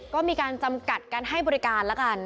ก็มีการจำกัดการให้บริการแล้วกัน